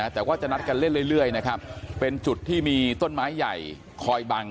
แต่ว่าจะนัดกันเล่นเรื่อยนะครับเป็นจุดที่มีต้นไม้ใหญ่คอยบัง